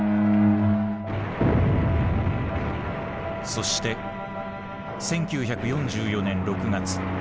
そして１９４４年６月。